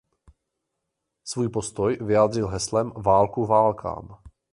Svůj postoj vyjádřil heslem „Válku válkám“.